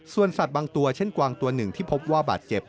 ส่วนสัตว์บางตัวเช่นกวางตัวหนึ่งที่พบว่าบาดเจ็บ